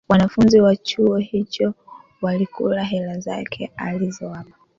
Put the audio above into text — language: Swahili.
wanafunzi wa chuo hicho walikula hela zake alizowapa